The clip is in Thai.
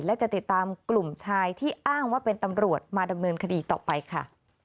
และจะติดตามกลุ่มชายที่อ้างว่าเป็นตำรวจมาดำเนินคดีต่อไปค่ะ